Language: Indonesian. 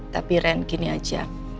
tapi ren gini aja